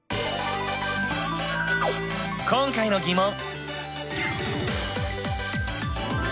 今回の疑問！